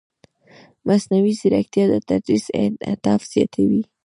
مصنوعي ځیرکتیا د تدریس انعطاف زیاتوي.